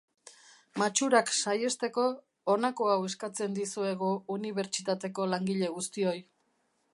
Matxurak saihesteko, honako hau eskatzen dizuegu Unibertsitateko langile guztioi.